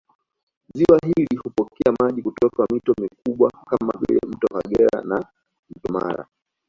Ziwa hili hupokea maji kutoka mito mikubwa kama vile Mto Kagera na Mto Mara